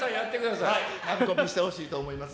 納得してほしいと思います。